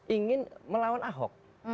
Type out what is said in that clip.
ingin melawan ahok